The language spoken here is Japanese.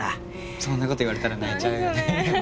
そんなこと言われたら泣いちゃうよね。